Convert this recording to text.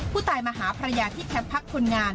ผู้ตายมาหาภรรยาที่แคมป์พักคนงาน